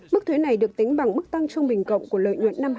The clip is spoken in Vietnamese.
mức thuế này được tính bằng mức tăng trung bình cộng của lợi nhuận